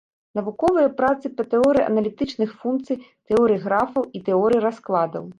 Навуковыя працы па тэорыі аналітычных функцый, тэорыі графаў і тэорыі раскладаў.